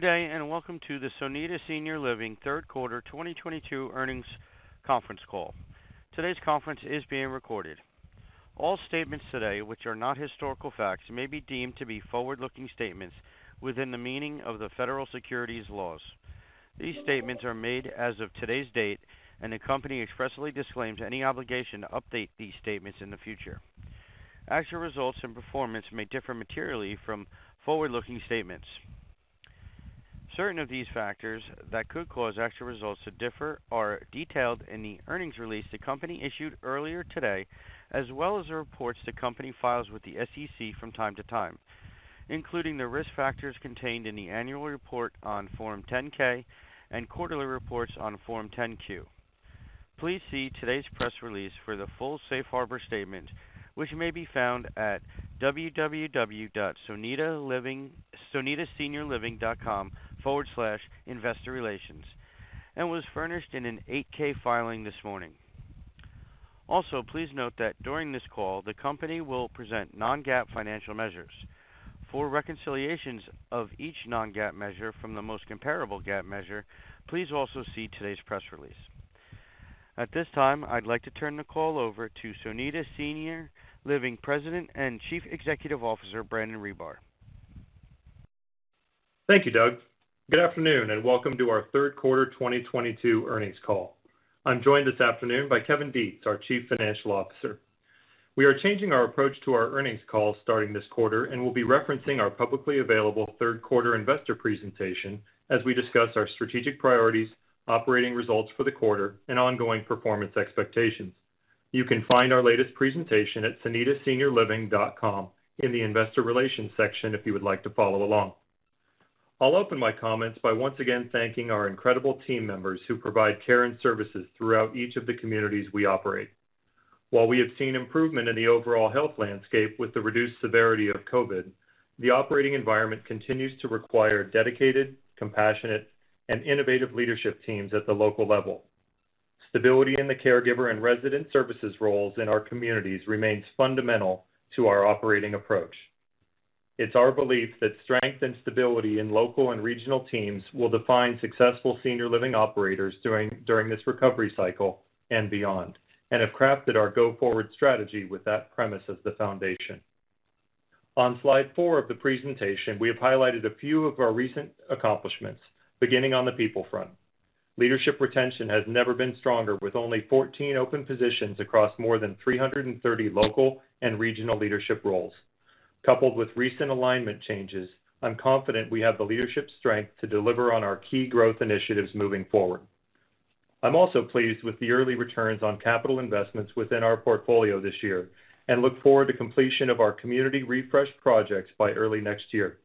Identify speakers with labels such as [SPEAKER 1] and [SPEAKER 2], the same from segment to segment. [SPEAKER 1] Good day, and welcome to the Sonida Senior Living third quarter 2022 earnings conference call. Today's conference is being recorded. All statements today, which are not historical facts, may be deemed to be forward-looking statements within the meaning of the federal securities laws. These statements are made as of today's date, and the company expressly disclaims any obligation to update these statements in the future. Actual results and performance may differ materially from forward-looking statements. Certain of these factors that could cause actual results to differ are detailed in the earnings release the company issued earlier today, as well as the reports the company files with the SEC from time to time, including the risk factors contained in the annual report on Form 10-K and quarterly reports on Form 10-Q. Please see today's press release for the full safe harbor statement, which may be found at www.sonidaseniorliving.com/investorrelations, and was furnished in an 8-K filing this morning. Also, please note that during this call, the company will present non-GAAP financial measures. For reconciliations of each non-GAAP measure from the most comparable GAAP measure, please also see today's press release. At this time, I'd like to turn the call over to Sonida Senior Living President and Chief Executive Officer, Brandon Ribar.
[SPEAKER 2] Thank you, Doug. Good afternoon, and welcome to our third quarter 2022 earnings call. I'm joined this afternoon by Kevin Detz, our Chief Financial Officer. We are changing our approach to our earnings call starting this quarter, and we'll be referencing our publicly available third quarter investor presentation as we discuss our strategic priorities, operating results for the quarter, and ongoing performance expectations. You can find our latest presentation at sonidaseniorliving.com in the investor relations section if you would like to follow along. I'll open my comments by once again thanking our incredible team members who provide care and services throughout each of the communities we operate. While we have seen improvement in the overall health landscape with the reduced severity of COVID, the operating environment continues to require dedicated, compassionate, and innovative leadership teams at the local level. Stability in the caregiver and resident services roles in our communities remains fundamental to our operating approach. It's our belief that strength and stability in local and regional teams will define successful senior living operators during this recovery cycle and beyond, and have crafted our go-forward strategy with that premise as the foundation. On slide four of the presentation, we have highlighted a few of our recent accomplishments, beginning on the people front. Leadership retention has never been stronger, with only 14 open positions across more than 330 local and regional leadership roles. Coupled with recent alignment changes, I'm confident we have the leadership strength to deliver on our key growth initiatives moving forward. I'm also pleased with the early returns on capital investments within our portfolio this year and look forward to completion of our community refresh projects by early next year.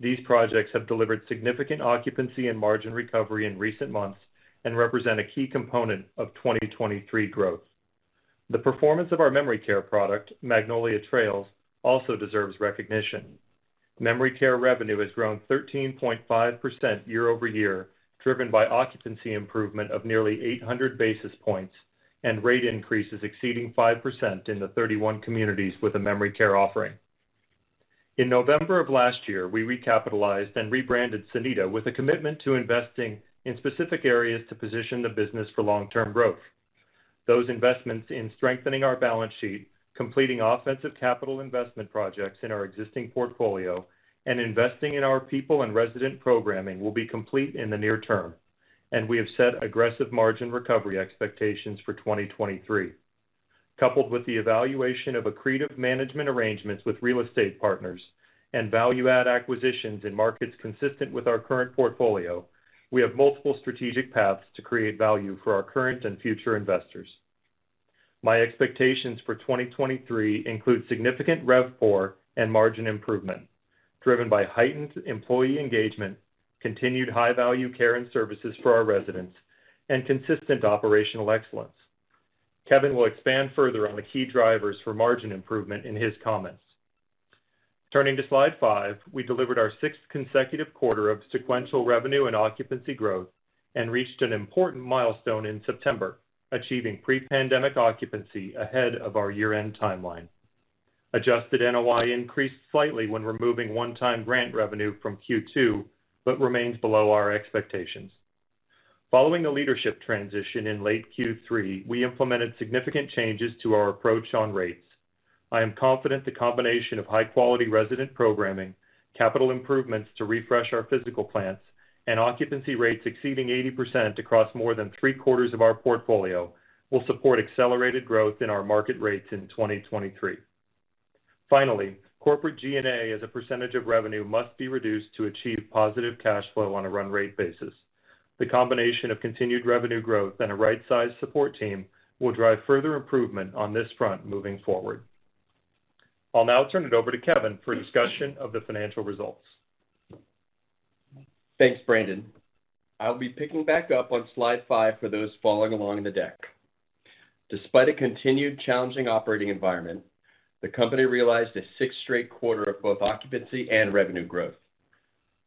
[SPEAKER 2] These projects have delivered significant occupancy and margin recovery in recent months and represent a key component of 2023 growth. The performance of our memory care product, Magnolia Trails, also deserves recognition. Memory care revenue has grown 13.5% year-over-year, driven by occupancy improvement of nearly 800 basis points and rate increases exceeding 5% in the 31 communities with a memory care offering. In November of last year, we recapitalized and rebranded Sonida with a commitment to investing in specific areas to position the business for long-term growth. Those investments in strengthening our balance sheet, completing offensive capital investment projects in our existing portfolio, and investing in our people and resident programming will be complete in the near term, and we have set aggressive margin recovery expectations for 2023. Coupled with the evaluation of accretive management arrangements with real estate partners and value-add acquisitions in markets consistent with our current portfolio, we have multiple strategic paths to create value for our current and future investors. My expectations for 2023 include significant RevPAR and margin improvement, driven by heightened employee engagement, continued high-value care and services for our residents, and consistent operational excellence. Kevin will expand further on the key drivers for margin improvement in his comments. Turning to slide five, we delivered our sixth consecutive quarter of sequential revenue and occupancy growth and reached an important milestone in September, achieving pre-pandemic occupancy ahead of our year-end timeline. Adjusted NOI increased slightly when removing one-time grant revenue from Q2, but remains below our expectations. Following the leadership transition in late Q3, we implemented significant changes to our approach on rates. I am confident the combination of high-quality resident programming, capital improvements to refresh our physical plants, and occupancy rates exceeding 80% across more than three-quarters of our portfolio will support accelerated growth in our market rates in 2023. Finally, corporate G&A as a percentage of revenue must be reduced to achieve positive cash flow on a run rate basis. The combination of continued revenue growth and a right-sized support team will drive further improvement on this front moving forward. I'll now turn it over to Kevin for a discussion of the financial results.
[SPEAKER 3] Thanks, Brandon. I'll be picking back up on slide five for those following along in the deck. Despite a continued challenging operating environment, the company realized a sixth straight quarter of both occupancy and revenue growth.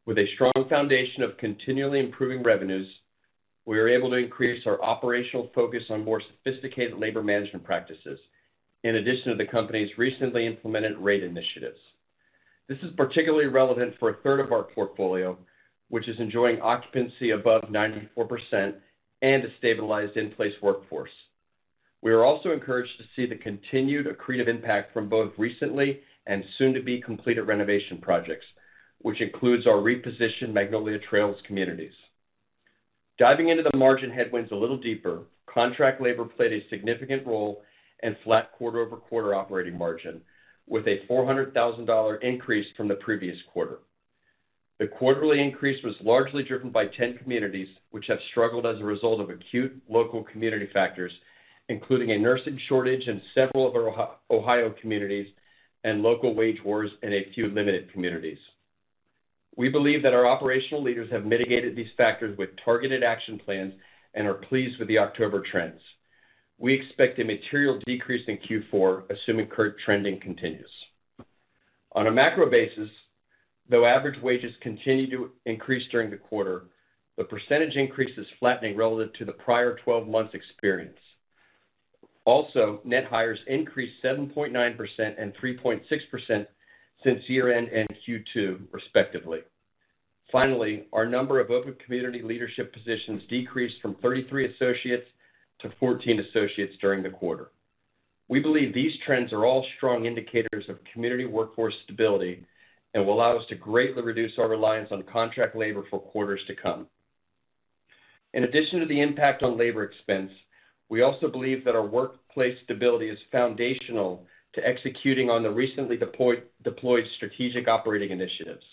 [SPEAKER 3] With a strong foundation of continually improving revenues. We are able to increase our operational focus on more sophisticated labor management practices, in addition to the company's recently implemented rate initiatives. This is particularly relevant for a third of our portfolio, which is enjoying occupancy above 94% and a stabilized in-place workforce. We are also encouraged to see the continued accretive impact from both recently and soon to be completed renovation projects, which includes our repositioned Magnolia Trails communities. Diving into the margin headwinds a little deeper, contract labor played a significant role in flat quarter-over-quarter operating margin, with a $400,000 increase from the previous quarter. The quarterly increase was largely driven by 10 communities which have struggled as a result of acute local community factors, including a nursing shortage in several of our Ohio communities and local wage wars in a few limited communities. We believe that our operational leaders have mitigated these factors with targeted action plans and are pleased with the October trends. We expect a material decrease in Q4, assuming current trending continues. On a macro basis, though average wages continued to increase during the quarter, the percentage increase is flattening relative to the prior 12 months experience. Also, net hires increased 7.9% and 3.6% since year-end and Q2 respectively. Finally, our number of open community leadership positions decreased from 33 associates to 14 associates during the quarter. We believe these trends are all strong indicators of community workforce stability and will allow us to greatly reduce our reliance on contract labor for quarters to come. In addition to the impact on labor expense, we also believe that our workplace stability is foundational to executing on the recently deployed strategic operating initiatives.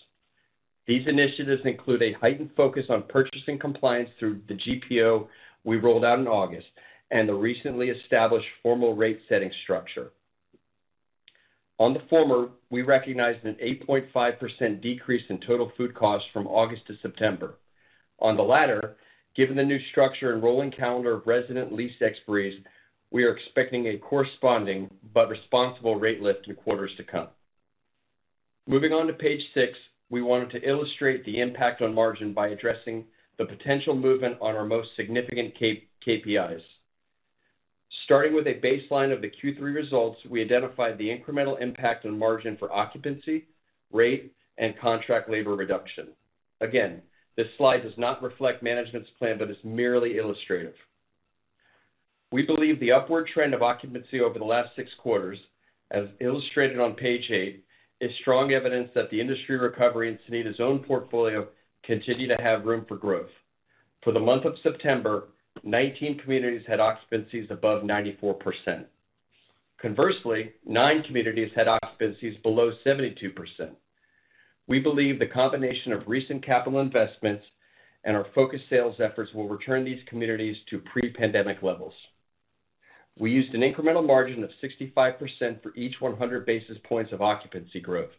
[SPEAKER 3] These initiatives include a heightened focus on purchasing compliance through the GPO we rolled out in August and the recently established formal rate setting structure. On the former, we recognized an 8.5% decrease in total food costs from August to September. On the latter, given the new structure and rolling calendar of resident lease expiries, we are expecting a corresponding but responsible rate lift in quarters to come. Moving on to page six, we wanted to illustrate the impact on margin by addressing the potential movement on our most significant key KPIs. Starting with a baseline of the Q3 results, we identified the incremental impact on margin for occupancy, rate, and contract labor reduction. Again, this slide does not reflect management's plan, but is merely illustrative. We believe the upward trend of occupancy over the last six quarters, as illustrated on page eight, is strong evidence that the industry recovery and Sonida's own portfolio continue to have room for growth. For the month of September, 19 communities had occupancies above 94%. Conversely, nine communities had occupancies below 72%. We believe the combination of recent capital investments and our focused sales efforts will return these communities to pre-pandemic levels. We used an incremental margin of 65% for each 100 basis points of occupancy growth,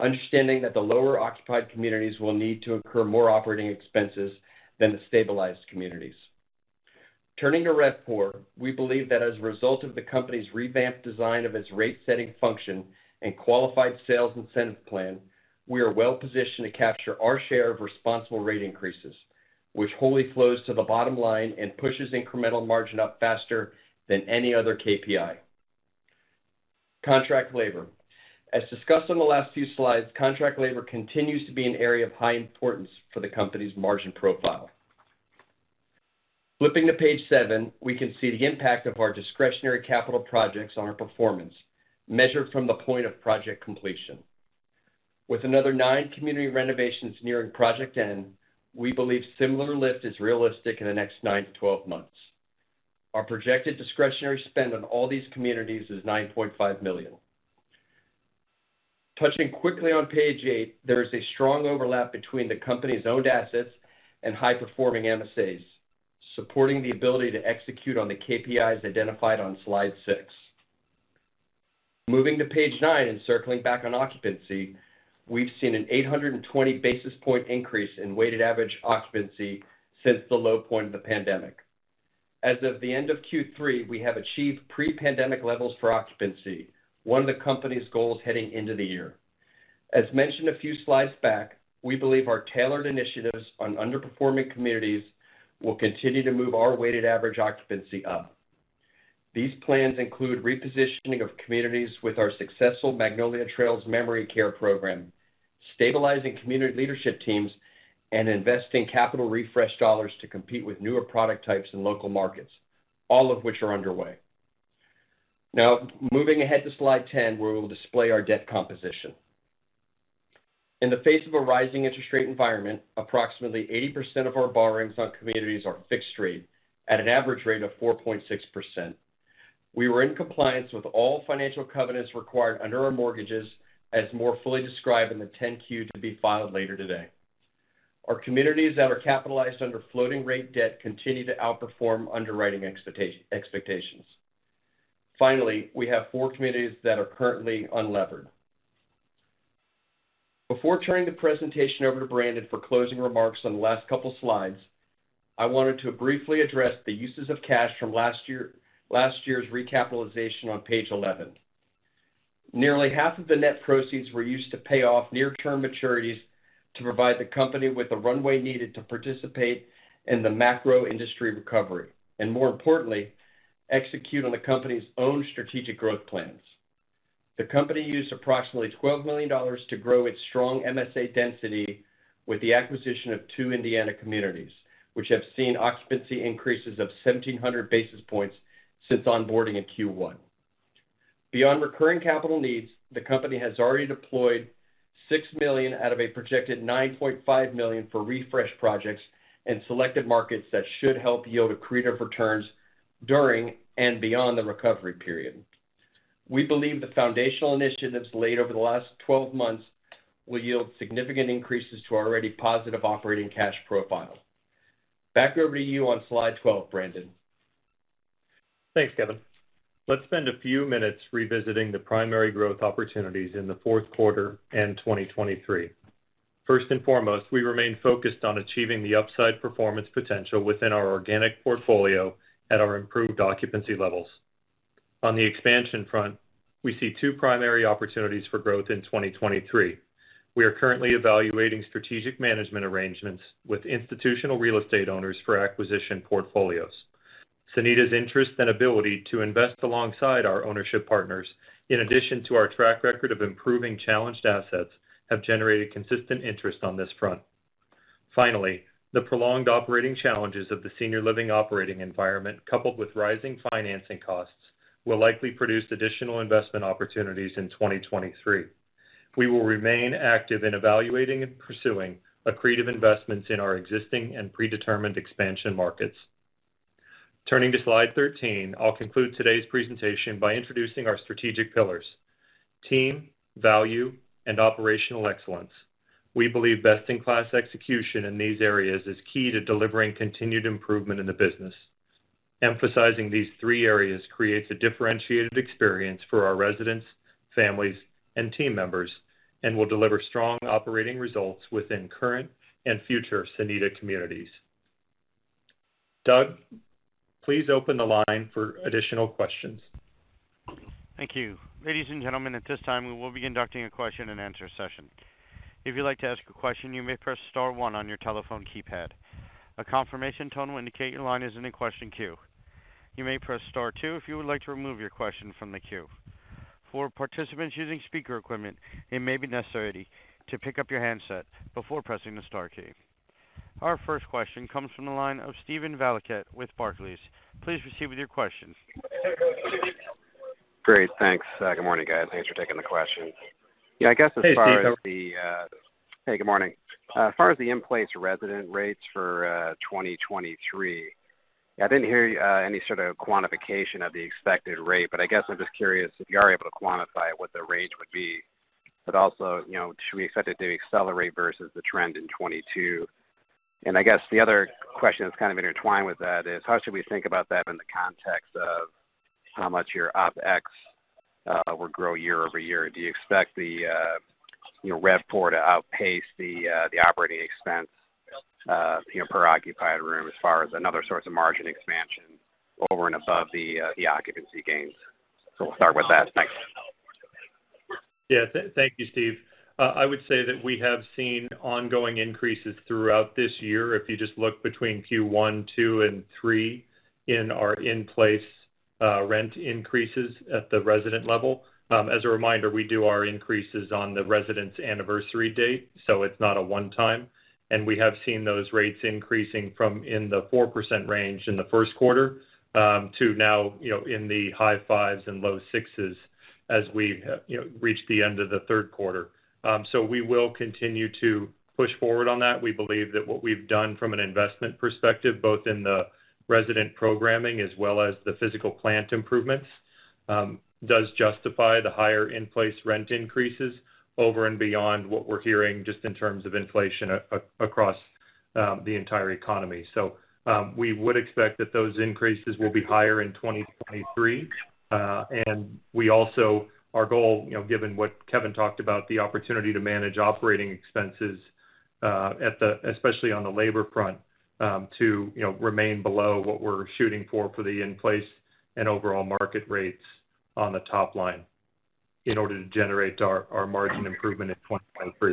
[SPEAKER 3] understanding that the lower occupied communities will need to incur more operating expenses than the stabilized communities. Turning to RevPAR, we believe that as a result of the company's revamped design of its rate setting function and qualified sales incentive plan, we are well-positioned to capture our share of responsible rate increases, which wholly flows to the bottom line and pushes incremental margin up faster than any other KPI. Contract labor. As discussed on the last few slides, contract labor continues to be an area of high importance for the company's margin profile. Flipping to page seven, we can see the impact of our discretionary capital projects on our performance, measured from the point of project completion. With another nine community renovations nearing project end, we believe similar lift is realistic in the next 9-12 months. Our projected discretionary spend on all these communities is $9.5 million. Touching quickly on page eight, there is a strong overlap between the company's owned assets and high-performing MSAs, supporting the ability to execute on the KPIs identified on slide six. Moving to page nine and circling back on occupancy, we've seen an 820 basis points increase in weighted average occupancy since the low point of the pandemic. As of the end of Q3, we have achieved pre-pandemic levels for occupancy, one of the company's goals heading into the year. As mentioned a few slides back, we believe our tailored initiatives on underperforming communities will continue to move our weighted average occupancy up. These plans include repositioning of communities with our successful Magnolia Trails memory care program, stabilizing community leadership teams, and investing capital refresh dollars to compete with newer product types in local markets, all of which are underway. Now, moving ahead to slide 10, where we will display our debt composition. In the face of a rising interest rate environment, approximately 80% of our borrowings on communities are fixed rate at an average rate of 4.6%. We were in compliance with all financial covenants required under our mortgages, as more fully described in the Form 10-Q to be filed later today. Our communities that are capitalized under floating rate debt continue to outperform underwriting expectations. Finally, we have four communities that are currently unlevered. Before turning the presentation over to Brandon for closing remarks on the last couple slides, I wanted to briefly address the uses of cash from last year, last year's recapitalization on page 11. Nearly half of the net proceeds were used to pay off near-term maturities to provide the company with the runway needed to participate in the macro industry recovery, and more importantly, execute on the company's own strategic growth plans. The company used approximately $12 million to grow its strong MSA density with the acquisition of two Indiana communities, which have seen occupancy increases of 1,700 basis points since onboarding in Q1. Beyond recurring capital needs, the company has already deployed $6 million out of a projected $9.5 million for refresh projects in selected markets that should help yield accretive returns during and beyond the recovery period. We believe the foundational initiatives laid over the last 12 months will yield significant increases to our already positive operating cash profile. Back over to you on slide 12, Brandon.
[SPEAKER 2] Thanks, Kevin. Let's spend a few minutes revisiting the primary growth opportunities in the fourth quarter and 2023. First and foremost, we remain focused on achieving the upside performance potential within our organic portfolio at our improved occupancy levels. On the expansion front, we see two primary opportunities for growth in 2023. We are currently evaluating strategic management arrangements with institutional real estate owners for acquisition portfolios. Sonida's interest and ability to invest alongside our ownership partners, in addition to our track record of improving challenged assets, have generated consistent interest on this front. Finally, the prolonged operating challenges of the senior living operating environment, coupled with rising financing costs, will likely produce additional investment opportunities in 2023. We will remain active in evaluating and pursuing accretive investments in our existing and predetermined expansion markets. Turning to slide 13, I'll conclude today's presentation by introducing our strategic pillars, team, value, and operational excellence. We believe best-in-class execution in these areas is key to delivering continued improvement in the business. Emphasizing these three areas creates a differentiated experience for our residents, families, and team members and will deliver strong operating results within current and future Sonida communities. Doug, please open the line for additional questions.
[SPEAKER 1] Thank you. Ladies and gentlemen, at this time, we will be conducting a question-and-answer session. If you'd like to ask a question, you may press star one on your telephone keypad. A confirmation tone will indicate your line is in the question queue. You may press star two if you would like to remove your question from the queue. For participants using speaker equipment, it may be necessary to pick up your handset before pressing the star key. Our first question comes from the line of Steven Valiquette with Barclays. Please proceed with your question.
[SPEAKER 4] Great. Thanks. Good morning, guys. Thanks for taking the question. Yeah, I guess as far as the,
[SPEAKER 2] Hey, Steven. How are you?
[SPEAKER 4] Hey, good morning. As far as the in-place resident rates for 2023, I didn't hear any sort of quantification of the expected rate, but I guess I'm just curious if you are able to quantify what the range would be. Also, you know, should we expect it to accelerate versus the trend in 2022? I guess the other question that's kind of intertwined with that is how should we think about that in the context of how much your OpEx will grow year-over-year? Do you expect the, you know, RevPAR to outpace the operating expense, you know, per occupied room as far as another source of margin expansion over and above the occupancy gains? We'll start with that. Thanks.
[SPEAKER 2] Yeah. Thank you, Steven. I would say that we have seen ongoing increases throughout this year. If you just look between Q1, 2, and 3 in our in-place rent increases at the resident level. As a reminder, we do our increases on the resident's anniversary date, so it's not a one-time. We have seen those rates increasing from in the 4% range in the first quarter to now, you know, in the high fives and low sixes as we, you know, reach the end of the third quarter. We will continue to push forward on that. We believe that what we've done from an investment perspective, both in the resident programming as well as the physical plant improvements, does justify the higher in-place rent increases over and beyond what we're hearing just in terms of inflation across the entire economy. We would expect that those increases will be higher in 2023. Our goal, you know, given what Kevin talked about, the opportunity to manage operating expenses, especially on the labor front, to remain below what we're shooting for for the in-place and overall market rates on the top line in order to generate our margin improvement in 2023.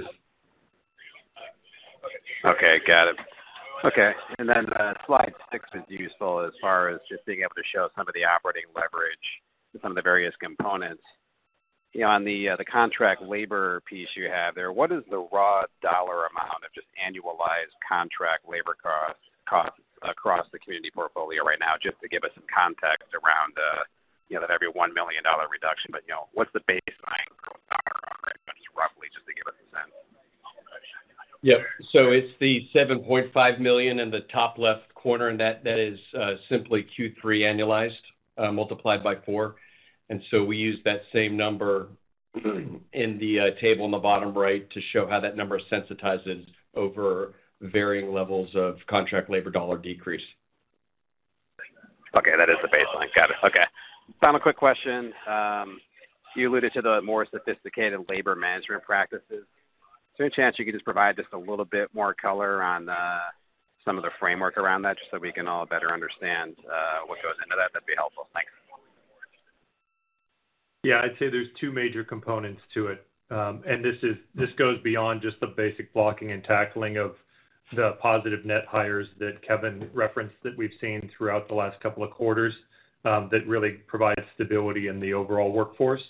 [SPEAKER 4] Okay. Got it. Okay. slide six was useful as far as just being able to show some of the operating leverage and some of the various components. You know, on the contract labor piece you have there, what is the raw dollar amount of just annualized contract labor costs across the community portfolio right now, just to give us some context around, you know, that every $1 million reduction. You know, what's the baseline dollar amount, just roughly just to give us a sense?
[SPEAKER 2] It's the $7.5 million in the top left corner, and that is simply Q3 annualized multiplied by four. We use that same number in the table on the bottom right to show how that number sensitizes over varying levels of contract labor dollar decrease.
[SPEAKER 4] Okay. That is the baseline. Got it. Okay. Tom, a quick question. You alluded to the more sophisticated labor management practices. Is there any chance you could just provide just a little bit more color on some of the framework around that just so we can all better understand what goes into that? That'd be helpful. Thanks.
[SPEAKER 2] Yeah. I'd say there's two major components to it. This goes beyond just the basic blocking and tackling of the positive net hires that Kevin referenced that we've seen throughout the last couple of quarters, that really provide stability in the overall workforce.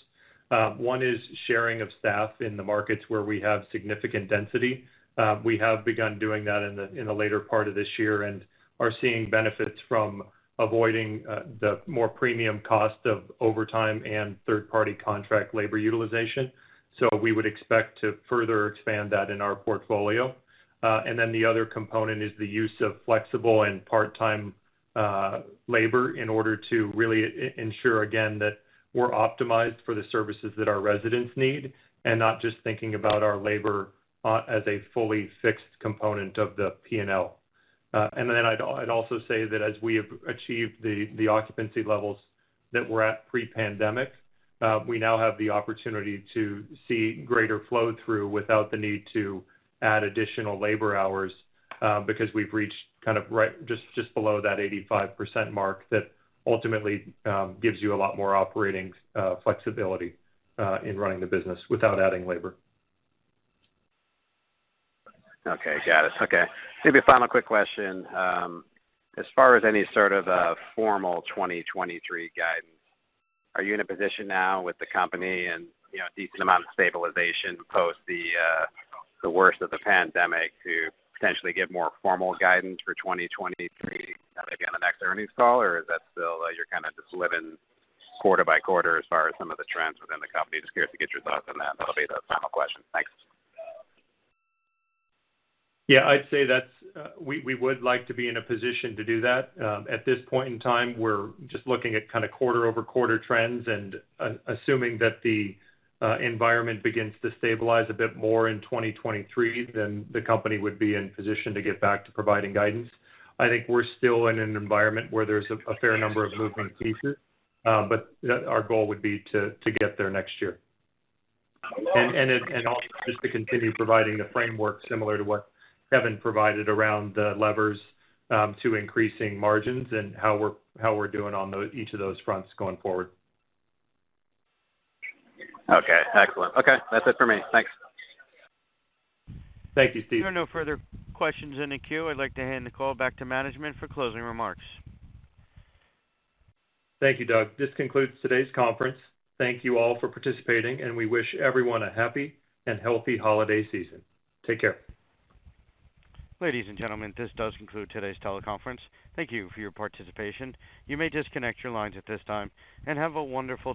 [SPEAKER 2] One is sharing of staff in the markets where we have significant density. We have begun doing that in the later part of this year and are seeing benefits from avoiding the more premium cost of overtime and third-party contract labor utilization. We would expect to further expand that in our portfolio. The other component is the use of flexible and part-time labor in order to really ensure, again, that we're optimized for the services that our residents need, and not just thinking about our labor as a fully fixed component of the P&L. I'd also say that as we have achieved the occupancy levels that were at pre-pandemic, we now have the opportunity to see greater flow through without the need to add additional labor hours, because we've reached just below that 85% mark that ultimately gives you a lot more operating flexibility in running the business without adding labor.
[SPEAKER 4] Okay. Got it. Okay. Maybe a final quick question. As far as any sort of a formal 2023 guidance, are you in a position now with the company and, you know, a decent amount of stabilization post the worst of the pandemic to potentially give more formal guidance for 2023, maybe on the next earnings call? Or is that still, you're kinda just living quarter by quarter as far as some of the trends within the company? Just curious to get your thoughts on that. That'll be the final question. Thanks.
[SPEAKER 2] Yeah. I'd say that's we would like to be in a position to do that. At this point in time, we're just looking at kinda quarter-over-quarter trends, and assuming that the environment begins to stabilize a bit more in 2023, then the company would be in position to get back to providing guidance. I think we're still in an environment where there's a fair number of moving pieces, but that's our goal would be to get there next year. Also just to continue providing the framework similar to what Kevin provided around the levers to increasing margins and how we're doing on each of those fronts going forward.
[SPEAKER 4] Okay. Excellent. Okay, that's it for me. Thanks.
[SPEAKER 2] Thank you, Steven.
[SPEAKER 1] There are no further questions in the queue. I'd like to hand the call back to management for closing remarks.
[SPEAKER 2] Thank you, Doug. This concludes today's conference. Thank you all for participating, and we wish everyone a happy and healthy holiday season. Take care.
[SPEAKER 1] Ladies and gentlemen, this does conclude today's teleconference. Thank you for your participation. You may disconnect your lines at this time, and have a wonderful day.